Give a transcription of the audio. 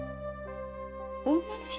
女の人？